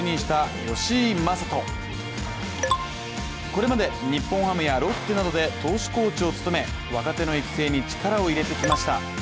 これまで日本ハムやロッテなどで投手コーチを務め若手の育成に力を入れてきました。